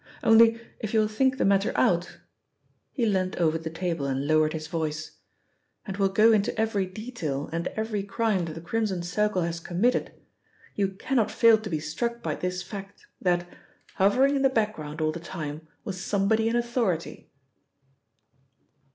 Only if you will think the matter out," he leant over the table and lowered his voice, "and will go into every detail and every crime that the Crimson Circle has committed, you cannot fail to be struck by this fact: that, hovering in the background all the time was somebody in authority."